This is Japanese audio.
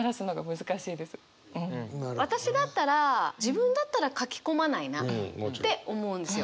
私だったら自分だったら書き込まないなって思うんですよ。